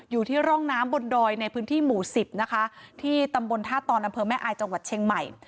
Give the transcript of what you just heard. อยู่ที่ร่องน้ำบนดอยในพื้นที่หมู่สิบนะคะที่ตำบลท่าตอนอำเภอแม่อายจังหวัดเชียงใหม่